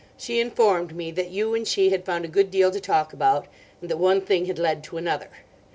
She informed me that you and she had found a good deal to talk about, and that 'one thing had led to another.